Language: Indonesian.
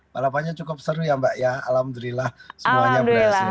balapannya cukup seru ya mbak ya alhamdulillah semuanya berhasil